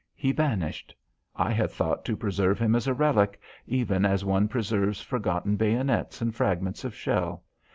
He vanished. I had thought to preserve him as a relic, even as one preserves forgotten bayonets and fragments of shell.